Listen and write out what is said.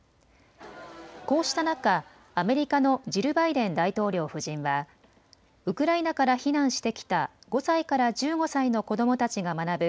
こうした中、アメリカのジル・バイデン大統領夫人はウクライナから避難してきた５歳から１５歳の子どもたちが学ぶ